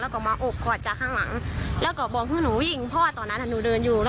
และหนูก็คงรู้สึกว่ามันมาดีล่ะ